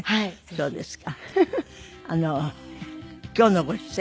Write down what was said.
そうですか。